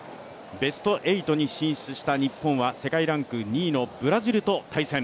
ベスト８に進出した日本は世界ランク２位のブラジルと対戦。